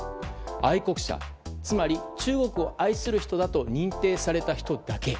愛国者つまり中国を愛する人だと認定された人だけ。